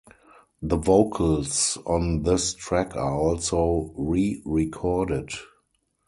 The vocals on this track are also rerecorded.